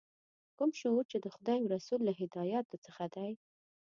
کوم شعور چې د خدای او رسول له هدایاتو څخه دی.